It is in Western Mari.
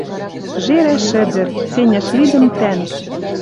Жерӓ шӹдӹр, ценяш лидӹм тӓнг.